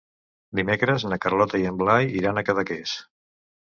Dimecres na Carlota i en Blai iran a Cadaqués.